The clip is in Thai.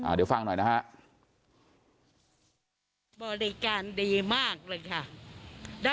เดี๋ยวฟังหน่อยนะฮะ